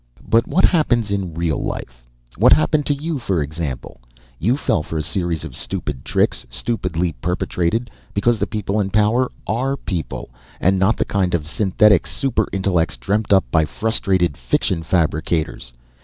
"But what happens in real life? What happened to you, for example? You fell for a series of stupid tricks, stupidly perpetrated because the people in power are people, and not the kind of synthetic super intellects dreamed up by frustrated fiction fabricators.